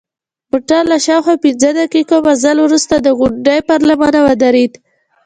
موټر له شاوخوا پنځه دقیقې مزل وروسته د غونډۍ پر لمنه ودرید.